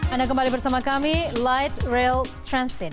anda kembali bersama kami light rail transit